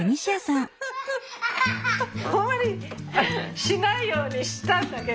ホンマにしないようにしたんだけど。